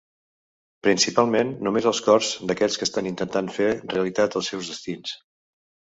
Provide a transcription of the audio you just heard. Principalment només els cors d'aquells que estan intentant fer realitat els seus destins.